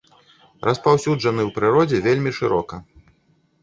Распаўсюджаны ў прыродзе вельмі шырока.